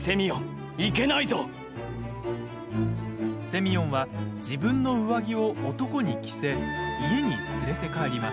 セミヨンは自分の上着を男に着せ家に連れて帰ります。